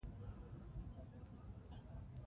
چنګلونه د افغانستان د چاپیریال ساتنې لپاره مهم دي.